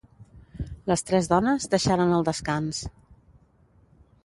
Les tres dones deixaren el descans.